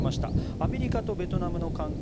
アメリカとベトナムの関係